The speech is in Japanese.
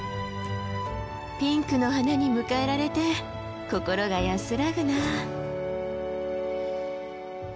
ピンクの花に迎えられて心が安らぐなあ。